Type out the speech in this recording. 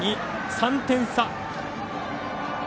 ３点差。